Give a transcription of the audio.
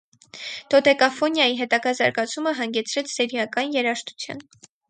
Դոդեկաֆոնիաի հետագա զարգացումը հանգեցրեց սերիական երաժշտության։